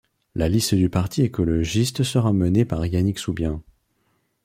La liste du parti écologiste sera menée par Yanic Soubien.